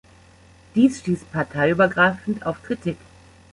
Dies stieß parteiübergreifend auf Kritik.